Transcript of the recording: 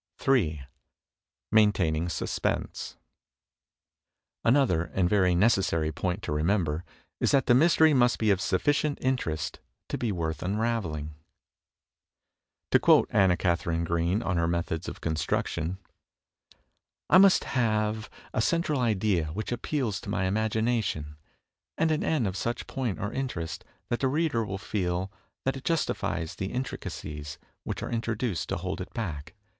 J. Maintaining Suspense Another and very necessary point to remember is that the mystery must be of sufficient interest to be worth unraveling. PLOTS 29s To quote Anna Katharine Green on her methods of construc tion: "I must have a central idea which appeals to my imagina tion; and an end of such point or interest that the reader will feel that it justifies the intricacies which are introduced to hold it back.